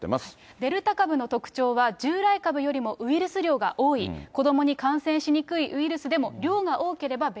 デルタ株の特徴は、従来株よりもウイルス量が多い、子どもに感染しにくいウイルスでも、量が多ければ別。